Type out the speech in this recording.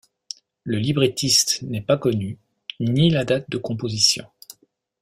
Le librettiste n'est pas connu, ni la date de composition.